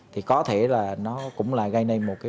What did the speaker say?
thì có thể là nó cũng là gây nên